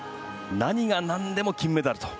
何が何でも金メダルと。